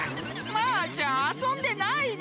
マーちゃんあそんでないで！